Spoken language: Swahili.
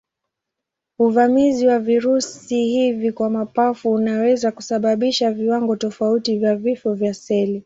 Uvamizi wa virusi hivi kwa mapafu unaweza kusababisha viwango tofauti vya vifo vya seli.